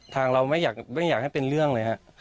ทางเราไม่อยากให้เป็นเรื่องเลยครับ